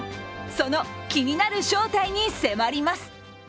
その気になる正体に迫ります。